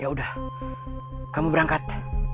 ya udah kamu berangkat